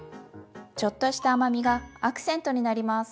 ちょっとした甘みがアクセントになります。